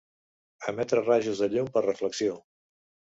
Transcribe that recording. Emetre rajos de llum per reflexió.